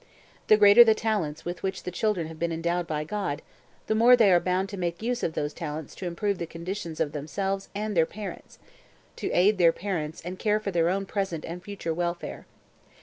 The greater the talents with which the children have been endowed by God, the more are they bound to make use of those talents to improve the conditions of themselves and their parents, to aid their parents and to care for their own present and future welfare.